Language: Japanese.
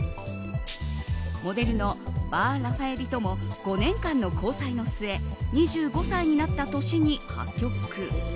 モデルのバー・ラファエリとも５年間の交際の末２５歳になった年に破局。